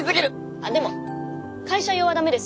あっでも会社用はダメですよ？